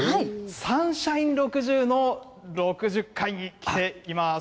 サンシャイン６０の６０階に来ています。